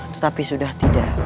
tetapi sudah tidak